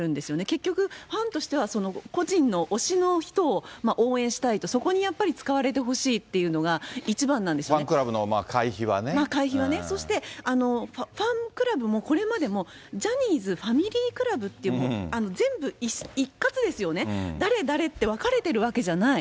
結局、ファンとしては個人の、推しの人を応援したいと、そこにやっぱり、使われてほしいっていファンクラブの会費はね。会費はね。そして、ファンクラブもこれまでもジャニーズファミリークラブっていう、全部、一括ですよね、誰々って分かれてるわけじゃない。